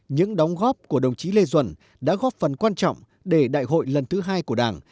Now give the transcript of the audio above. những đóng góp của đồng chí lê duẩn đã góp phần quan trọng để đại hội lần thứ hai của đảng